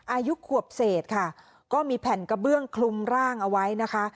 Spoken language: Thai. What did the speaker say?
อายุขวบเศษค่ะก็มีแผ่นกระเบื้องคลุมร่างเอาไว้นะคะ